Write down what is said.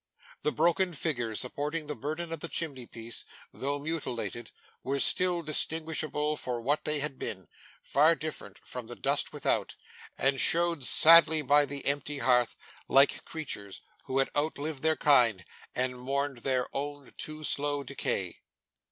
The broken figures supporting the burden of the chimney piece, though mutilated, were still distinguishable for what they had been far different from the dust without and showed sadly by the empty hearth, like creatures who had outlived their kind, and mourned their own too slow decay.